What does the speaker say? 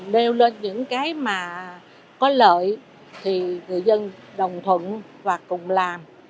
nêu lên những cái mà có lợi thì người dân đồng thuận và cùng làm